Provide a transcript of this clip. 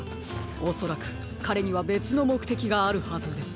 おそらくかれにはべつのもくてきがあるはずです。